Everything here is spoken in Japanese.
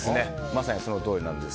まさにそのとおり。